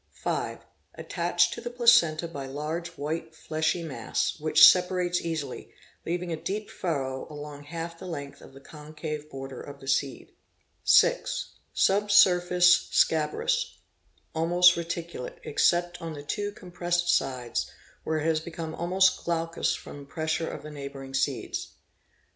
5. Attached to the placenta by | large white fleshy mass, which sepa rates easily, leaving a deep furrow along half the length of the concave border of the seed. 6. Surface scabrous, almost reti culate, except on the two compressed sides, where it has become almost glaucous from pressure of the neigh bouring seeds.